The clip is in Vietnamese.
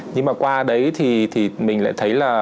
nhưng mà qua đấy thì mình lại thấy là